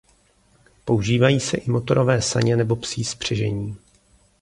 Používají se i motorové saně nebo psí spřežení.